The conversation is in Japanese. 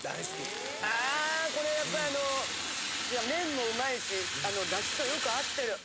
あこれやっぱあの麺もうまいし出汁とよく合ってる。